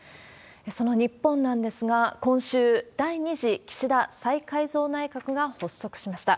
その日本なんですが、今週、第２次岸田再改造内閣が発足しました。